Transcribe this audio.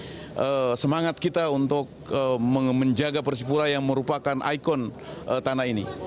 ini adalah semangat kita untuk menjaga persipura yang merupakan ikon tanah ini